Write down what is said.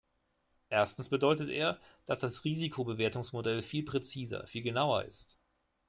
Erstens bedeutet er, dass das Risikobewertungsmodell viel präziser, viel genauer ist.